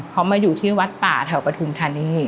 เขามาอยู่ที่วัดป่าแถวปฐุมธานี